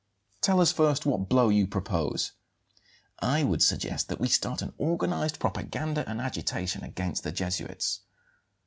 "Tell us first what blow you propose?" "I would suggest that we start an organized propaganda and agitation against the Jesuits."